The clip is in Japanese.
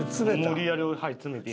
無理やり詰めて今。